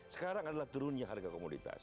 sekarang adalah turunnya harga komoditas